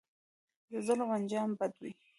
د ظلم انجام بد وي